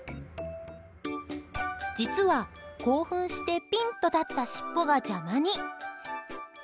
実は、興奮してピンと立ったしっぽが邪魔に。